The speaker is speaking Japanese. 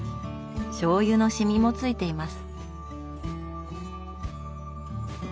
しょうゆのシミもついています。